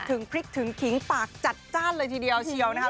ถึงพริกถึงขิงปากจัดจ้านเลยทีเดียวเชียวนะคะ